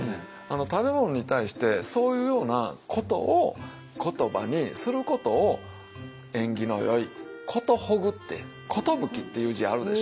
食べ物に対してそういうようなことを言葉にすることを縁起のよい「寿ぐ」って「寿」っていう字あるでしょ？